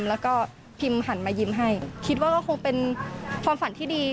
แล้วก็พิมหันมายิ้มให้คิดว่าก็คงเป็นความฝันที่ดี